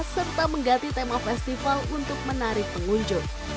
serta mengganti tema festival untuk menarik pengunjung